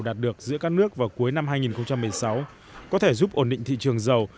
đạt được giữa các nước vào cuối năm hai nghìn một mươi sáu có thể giúp ổn định thị trường dầu